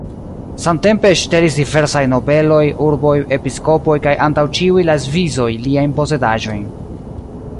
Samtempe ŝtelis diversaj nobeloj, urboj, episkopoj kaj antaŭ ĉiuj la Svisoj liajn posedaĵojn.